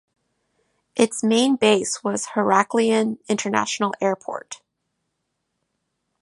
Its main base was Heraklion International Airport.